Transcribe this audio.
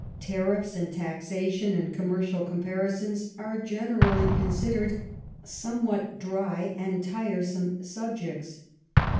Tariffs and taxation and commercial com parisons are generally considered somewhat dry and tiresome subjects.